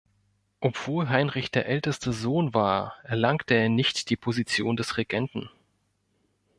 Obwohl Heinrich der älteste Sohn war, erlangte er nicht die Position des Regenten.